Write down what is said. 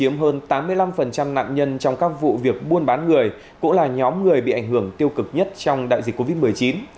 những người bị ảnh hưởng tiêu cực nhất trong đại dịch covid một mươi chín